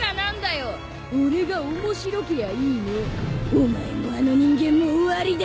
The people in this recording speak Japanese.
お前もあの人間も終わりだ！